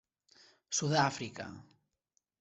Sud-àfrica.